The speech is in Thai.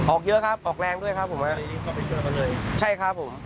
ออกเยอะครับออกแรงด้วยครับผมเลยใช่ครับผม